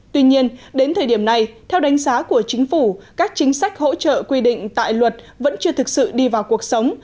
tuy nhiên đến thời điểm này theo đánh giá của chính phủ các chính sách hỗ trợ quy định tại luật vẫn chưa thực sự đi vào cuộc sống